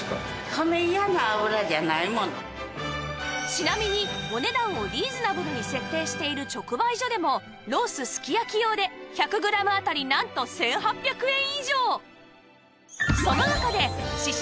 ちなみにお値段をリーズナブルに設定している直売所でもロースすき焼き用で１００グラムあたりなんと１８００円以上！